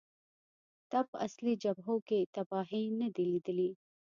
تا په اصلي جبهو کې تباهۍ نه دي لیدلې